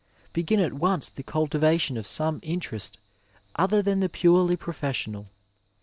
Begin at once the cnltiva' tion of some interest other than the purely prof eesional.